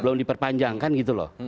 belum diperpanjang kan gitu loh